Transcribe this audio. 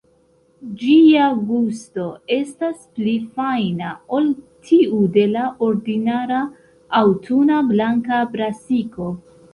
Ĝia gusto estas pli fajna ol tiu de la ordinara, aŭtuna blanka brasiko.